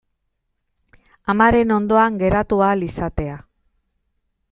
Amaren ondoan geratu ahal izatea.